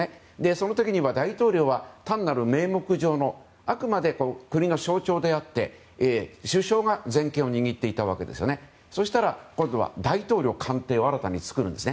その時は大統領はあくまで名目上のあくまで国の象徴であって首相が全権を握っていたわけですが今度は大統領官邸を新たに作るんです。